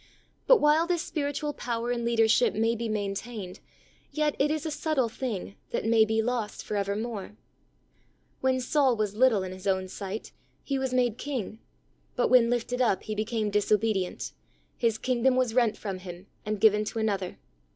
44 THE soul winner's secret. But while this spiritual power and leader ship may be maintained, yet it is a subtle thing that may be lost for evermore. When Saul was little in his own sight, he was made king, but, when lifted up he became disobedient, his kingdom was rent from him and given to another.